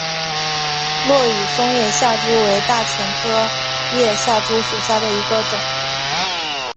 落羽松叶下珠为大戟科叶下珠属下的一个种。